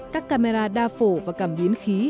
các camera đa phổ và cảm biến khí